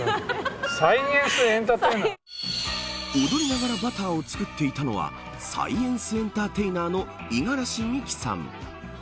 踊りながらバターを作っていたのはサイエンスエンターテイナーの五十嵐美樹さん。